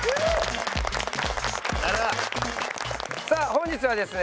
さあ本日はですね